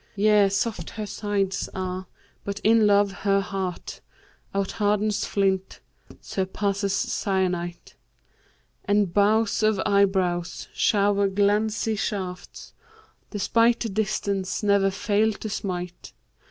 Yea, soft her sides are, but in love her heart * Outhardens flint, surpasses syenite: And bows of eyebrows shower glancey shafts * Despite the distance never fail to smite.